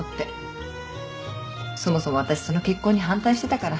そもそも私その結婚に反対してたから。